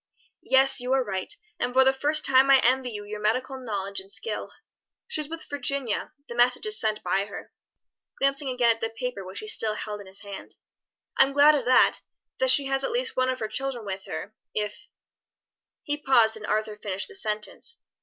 "Yes, you are right, and for the first time I envy you your medical knowledge and skill. She's with Virginia, the message is sent by her," glancing again at the paper which he still held in his hand. "I'm glad of that that she has at least one of her children with her, if " He paused and Arthur finished the sentence.